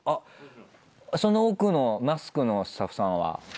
その奥のマスクのスタッフさんは。